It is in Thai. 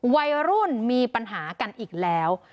วัยรุ่นมีปัญหากันอีกแล้ว